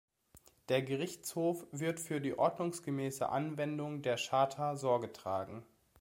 Der Gerichtshof wird für die ordnungsgemäße Anwendung der Charta Sorge tragen.